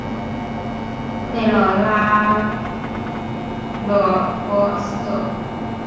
内勒拉勒波斯特。